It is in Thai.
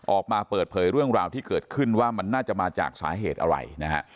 ออกมาเปิดเผยเรื่องราวที่เกิดขึ้นว่ามันน่าจะมาจากสาเหตุอะไรนะฮะ